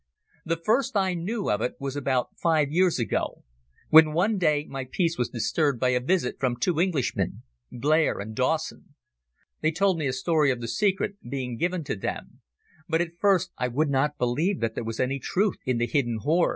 The first I knew of it was about five years ago, when one day my peace was disturbed by a visit from two Englishmen, Blair and Dawson. They told me a story of the secret being given to them, but at first I would not believe that there was any truth in the hidden hoard.